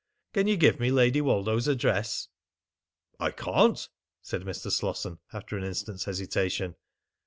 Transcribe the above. "Can you give me Lady Woldo's address?" "I can't," said Mr. Slosson after an instant's hesitation.